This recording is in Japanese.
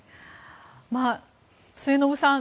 末延さん